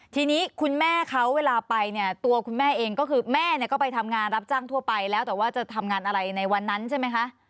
ทีนี้คุณแม่เขาเวลาไปเนี่ยตัวคุณแม่เองก็คือแม่เนี่ยก็ไปทำงานรับจ้างทั่วไปแล้วแต่ว่าจะทำงานอะไรในวันนั้นใช่ไหมคะ